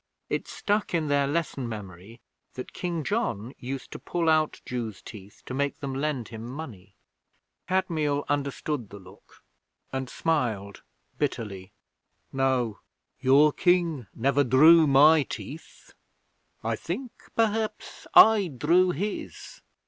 It stuck in their lesson memory that King John used to pull out Jews' teeth to make them lend him money. Kadmiel understood the look and smiled bitterly. 'No. Your King never drew my teeth: I think, perhaps, I drew his.